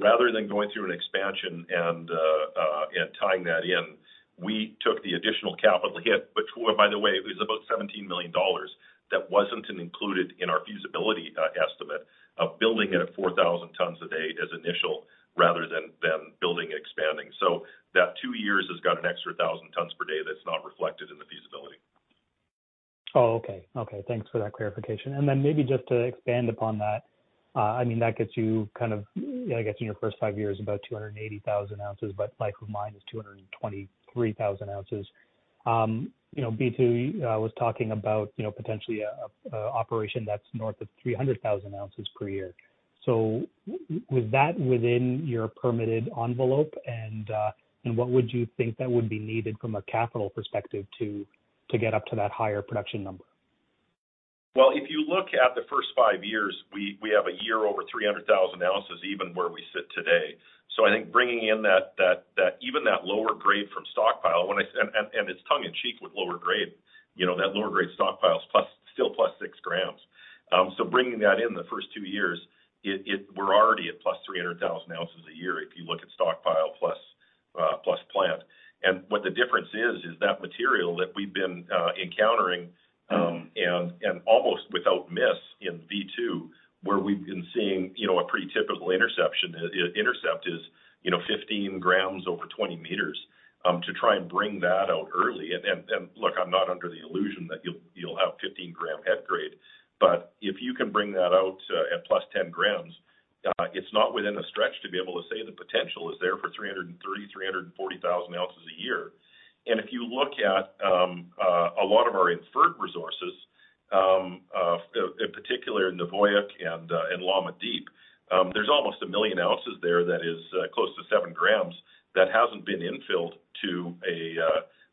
S3: Rather than going through an expansion and tying that in, we took the additional capital hit, which were by the way, it was about $17 million that wasn't included in our feasibility estimate of building at a 4,000 tons a day as initial rather than building expanding. That two years has got an extra 1,000 tons per day that's not reflected in the feasibility.
S10: Oh, okay. Okay, thanks for that clarification. Maybe just to expand upon that, I mean, that gets you kind of, I guess, in your first five years, about 280,000 ounces, but life of mine is 223,000 ounces. You know, B2 was talking about, you know, potentially a operation that's north of 300,000 ounces per year. Was that within your permitted envelope? What would you think that would be needed from a capital perspective to get up to that higher production number?
S3: If you look at the first five years, we have a year over 300,000 ounces even where we sit today. I think bringing in that even that lower grade from stockpile, when it's tongue in cheek with lower grade, you know, that lower grade stockpile is still plus 6 grams. So bringing that in the first two years, we're already at plus 300,000 ounces a year if you look at stockpile plus plant. What the difference is that material that we've been encountering, and almost without miss in B2, where we've been seeing, you know, a pretty typical interception, intercept is, you know, 15 grams over 20 meters, to try and bring that out early. Look, I'm not under the illusion that you'll have 15-gram head grade. If you can bring that out at +10 grams, it's not within a stretch to be able to say the potential is there for 303,000 ounces-340,000 ounces a year. If you look at a lot of our inferred resources, in particular in Nuvuyuk and Llama Deep, there's almost 1 million ounces there that is close to 7 grams that hasn't been infilled to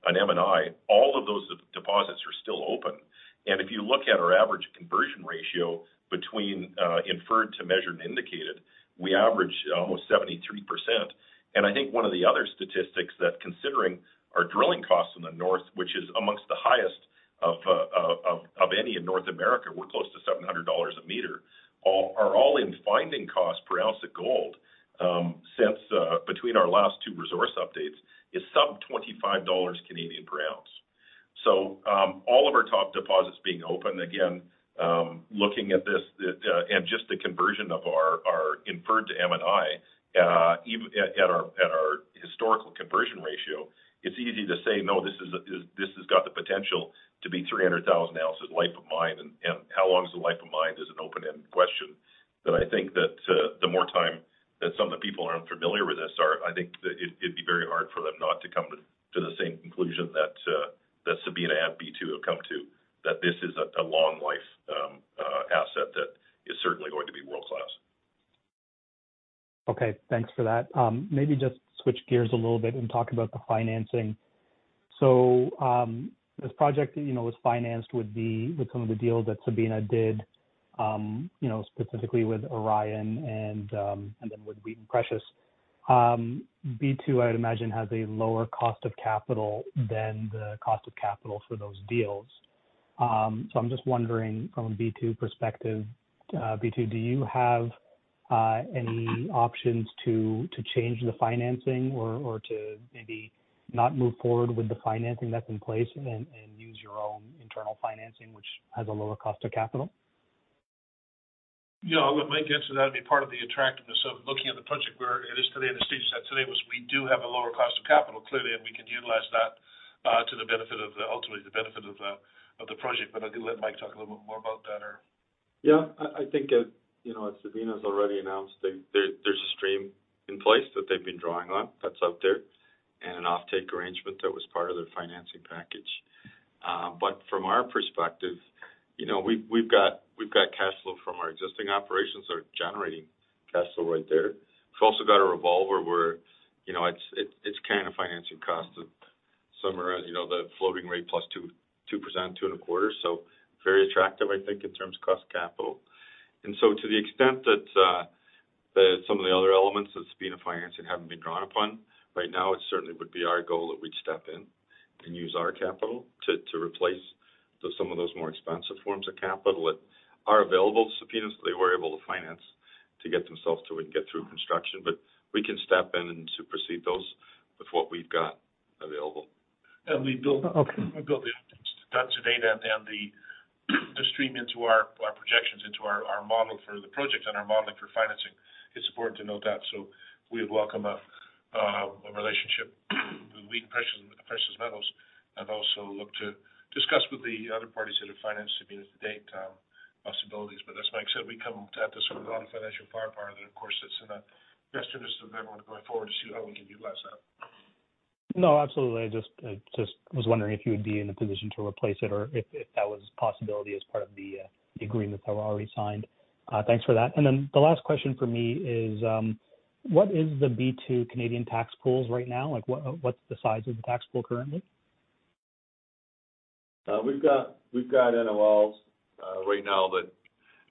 S3: an M&I. All of those deposits are still open. If you look at our average conversion ratio between inferred to measured and indicated, we average almost 73%. I think one of the other statistics that considering our drilling costs in the north, which is amongst the highest of any in North America, we're close to $700 a meter. Are all in finding cost per ounce of gold, since between our last two resource updates, is sub 25 dollars per ounce. All of our top deposits being open, again, looking at this, and just the conversion of our inferred to M&I, at our historical conversion ratio, it's easy to say, "No, this is... this has got the potential to be 300,000 ounces life of mine. How long is the life of mine is an open-end question that I think that the more time that some of the people aren't familiar with this are, I think that it'd be very hard for them not to come to the same conclusion that Sabina and B2 have come to, that this is a long life asset that is certainly going to be world-class.
S10: Okay, thanks for that. Maybe just switch gears a little bit and talk about the financing. This project, you know, was financed with some of the deals that Sabina did, you know, specifically with Orion and then with Wheaton Precious. B2, I would imagine, has a lower cost of capital than the cost of capital for those deals. I'm just wondering from a B2 perspective, B2, do you have any options to change the financing or to maybe not move forward with the financing that's in place and use your own internal financing, which has a lower cost of capital?
S2: Yeah. Look, Mike answered that, be part of the attractiveness of looking at the project where it is today and the stage that today was we do have a lower cost of capital, clearly, and we can utilize that ultimately the benefit of the project. I can let Mike talk a little bit more about that or.
S6: Yeah. I think, you know, as Sabina's already announced, there's a stream in place that they've been drawing on that's out there and an offtake arrangement that was part of their financing package. From our perspective, you know, we've got cash flow from our existing operations that are generating cash flow right there. We've also got a revolver where, you know, it's kind of financing cost of summarize, you know, the floating rate plus 2%, 2.25%. Very attractive, I think, in terms of cost of capital. To the extent that, some of the other elements of Sabina financing haven't been drawn upon right now, it certainly would be our goal that we'd step in and use our capital to replace some of those more expensive forms of capital that are available to Sabina, so they were able to finance to get themselves to and get through construction. We can step in and supersede those with what we've got available.
S2: We.
S10: Okay.
S2: We built the items to that today and the stream into our projections into our model for the project and our modeling for financing. It's important to note that we would welcome a relationship with Wheaton Precious Metals and also look to discuss with the other parties that have financed Sabina to date, possibilities. As Mike said, we come at this from a financial firepower that of course sits in a guest list of everyone going forward to see how we can utilize that.
S10: No, absolutely. I just was wondering if you would be in a position to replace it or if that was a possibility as part of the agreement that were already signed. Thanks for that. The last question for me is, what is the B2 Canadian tax pools right now? Like, what's the size of the tax pool currently?
S3: We've got NOLs right now that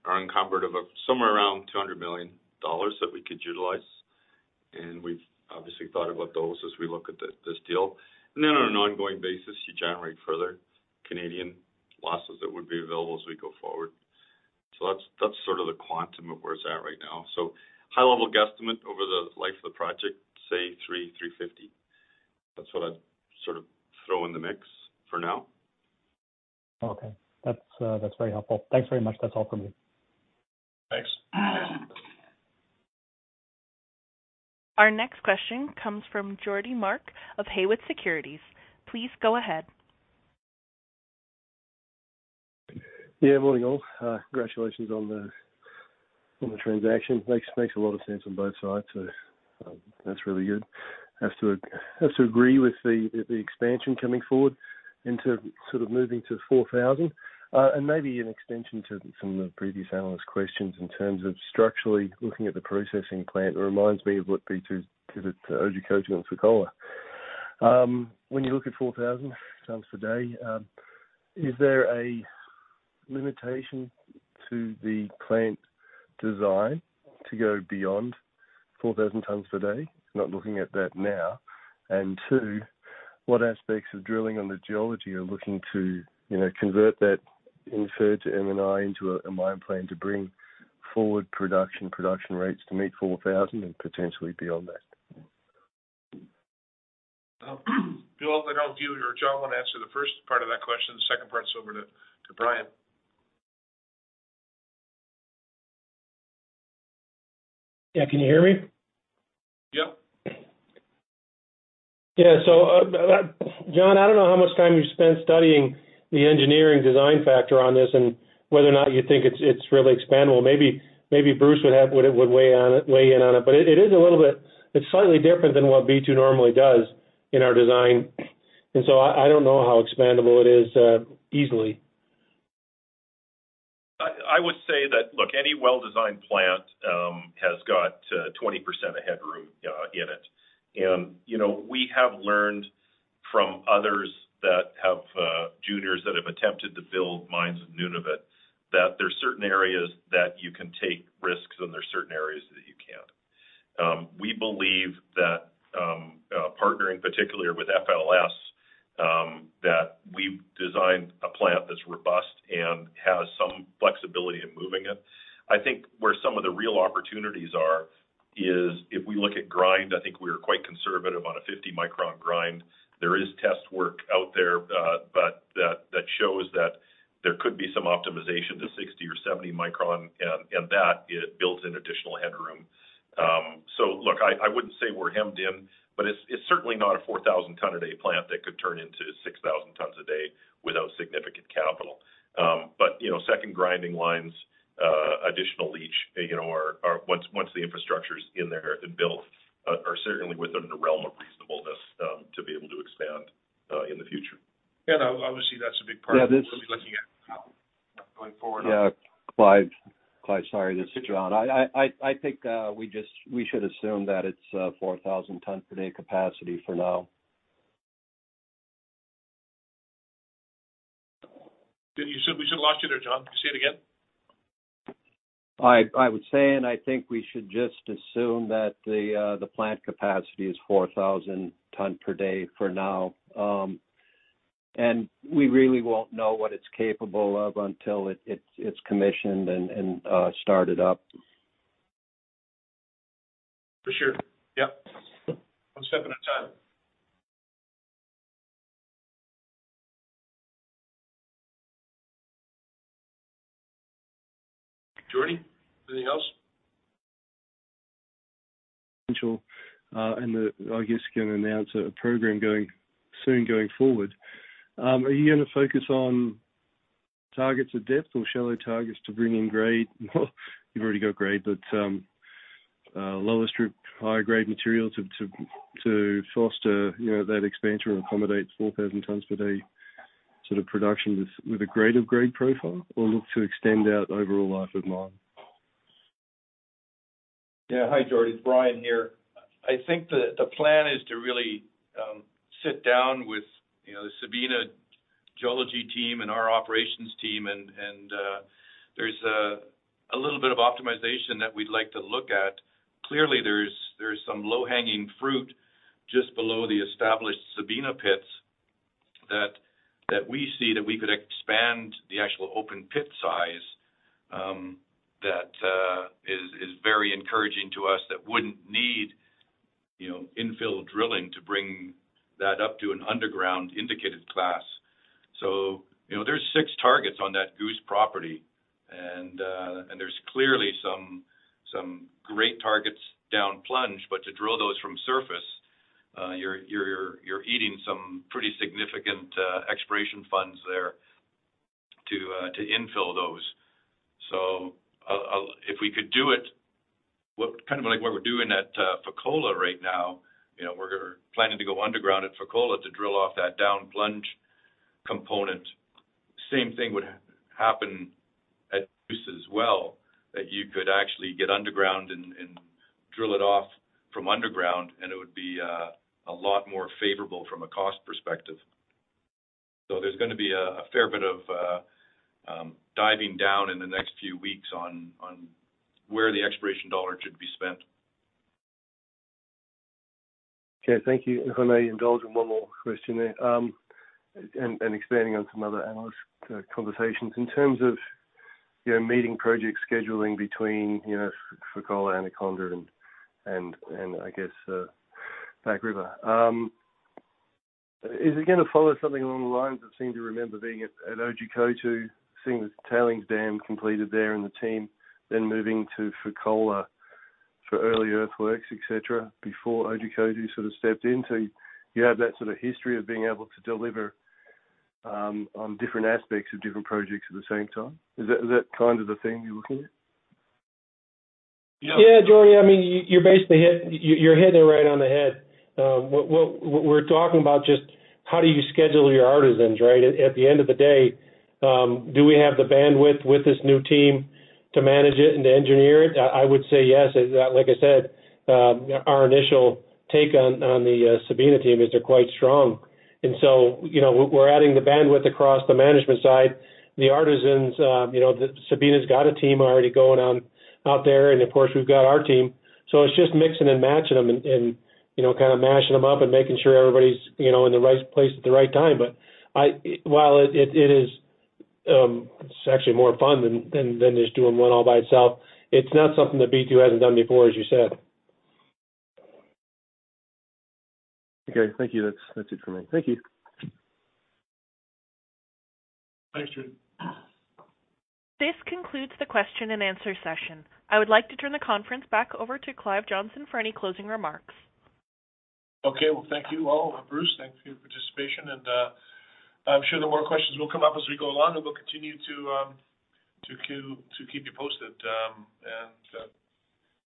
S3: are encumbered of somewhere around $200 million that we could utilize. We've obviously thought about those as we look at this deal. On an ongoing basis, you generate further Canadian losses that would be available as we go forward. That's sort of the quantum of where it's at right now. High-level guesstimate over the life of the project, say $300-$350 million. That's what I'd sort of throw in the mix for now.
S10: Okay. That's very helpful. Thanks very much. That's all for me.
S3: Thanks.
S1: Our next question comes from Geordie Mark of Haywood Securities. Please go ahead.
S11: Yeah, morning, all. Congratulations on the transaction. Makes a lot of sense on both sides, so that's really good. Have to agree with the expansion coming forward into sort of moving to 4,000. Maybe an extension to some of the previous analyst questions in terms of structurally looking at the processing plant, it reminds me of what B2 did at Otjikoto in Sukola. When you look at 4,000 tons a day, is there a limitation to the plant design to go beyond 4,000 tons per day? Not looking at that now. Two, what aspects of drilling on the geology are looking to, you know, convert that inferred to M&I into a mine plan to bring forward production rates to meet 4,000 and potentially beyond that?
S3: Bill, I don't know if you or John wanna answer the first part of that question. The second part's over to Brian.
S4: Yeah. Can you hear me?
S3: Yeah.
S4: Yeah. John, I don't know how much time you've spent studying the engineering design factor on this and whether or not you think it's really expandable. Maybe Bruce would have what it would weigh in on it. It is a little bit... It's slightly different than what B2 normally does in our design. I don't know how expandable it is, easily.
S3: I would say that, look, any well-designed plant has got 20% of headroom in it. You know, we have learned from others that have juniors that have attempted to build mines in Nunavut, that there are certain areas that you can take risks, and there are certain areas that you can't. We believe that partnering, particularly with FLS, that we've designed a plant that's robust and has some flexibility in moving it. I think where some of the real opportunities are is if we look at grind, I think we are quite conservative on a 50-micron grind. There is test work out there, but that shows that there could be some optimization to 60 or 70 micron, and that it builds in additional headroom. Look, I wouldn't say we're hemmed in, but it's certainly not a 4,000-ton a day plant that could turn into 6,000 tons a day without significant capital. You know, second grinding lines, additional leach, you know, are once the infrastructure is in there and built, are certainly within the realm of reasonableness to be able to expand in the future.
S4: Obviously, that's a big.
S11: Yeah.
S4: -of what we'll be looking at going forward.
S11: Yeah. Clive. Clive, sorry. This is John. I think we should assume that it's 4,000 ton per day capacity for now.
S4: You said we should launch it or, John, can you say it again?
S11: I would say, I think we should just assume that the plant capacity is 4,000 tons per day for now. We really won't know what it's capable of until it's commissioned and started up.
S4: For sure. Yep. I'm stepping on time. Geordie, anything else?
S11: Potential, I guess you can announce a program soon going forward. Are you gonna focus on targets of depth or shallow targets to bring in grade? Well, you've already got grade, but lower strip, higher grade material to foster, you know, that expansion and accommodate 4,000 tons per day sort of production with a greater grade profile or look to extend out overall life of mine?
S5: Yeah. Hi, Geordie. It's Brian here. I think the plan is to really sit down with, you know, the Sabina geology team and our operations team, and there's a little bit of optimization that we'd like to look at. Clearly, there's some low-hanging fruit just below the established Sabina pits that we see that we could expand the actual open pit size that is very encouraging to us that wouldn't need, you know, infill drilling to bring that up to an underground indicated class. You know, there's six targets on that Goose property, and there's clearly some great targets down plunge. To drill those from surface, you're eating some pretty significant exploration funds there. To infill those. If we could do it, kind of like what we're doing at Fekola right now, you know, we're planning to go underground at Fekola to drill off that down plunge component. Same thing would happen at Bruce as well, that you could actually get underground and drill it off from underground, and it would be a lot more favorable from a cost perspective. There's gonna be a fair bit of diving down in the next few weeks on where the exploration dollar should be spent.
S11: Okay, thank you. If I may indulge in one more question there, and expanding on some other analyst conversations. In terms of, you know, meeting project scheduling between, you know, Fekola, Anaconda and I guess Back River. Is it gonna follow something along the lines of seem to remember being at Ojikoto, seeing the tailings dam completed there and the team then moving to Fekola for early earthworks, et cetera, before Ojikoto sort of stepped in? You have that sort of history of being able to deliver on different aspects of different projects at the same time. Is that kind of the thing you're looking at?
S4: Yeah, Geordie, I mean, you're basically hitting it right on the head. What we're talking about just how do you schedule your artisans, right? At the end of the day, do we have the bandwidth with this new team to manage it and to engineer it? I would say yes. Like I said, our initial take on the Sabina team is they're quite strong. You know, we're adding the bandwidth across the management side. The artisans, you know, Sabina's got a team already going on out there, and of course, we've got our team. It's just mixing and matching them and, you know, kind of mashing them up and making sure everybody's, you know, in the right place at the right time. I While it is, it's actually more fun than just doing one all by itself. It's not something that B2 hasn't done before, as you said.
S11: Okay, thank you. That's it for me. Thank you.
S5: Thanks, Geordie.
S1: This concludes the question and answer session. I would like to turn the conference back over to Clive Johnson for any closing remarks.
S2: Okay. Well, thank you all. Bruce, thank you for your participation. I'm sure that more questions will come up as we go along, and we'll continue to keep you posted.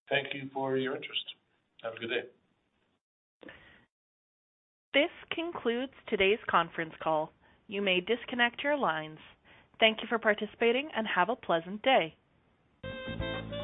S2: Thank you for your interest. Have a good day.
S1: This concludes today's conference call. You may disconnect your lines. Thank you for participating, and have a pleasant day.